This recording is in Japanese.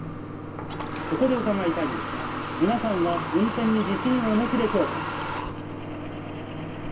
そこで伺いたいんですが皆さんは運転に自信をお持ちでしょうか。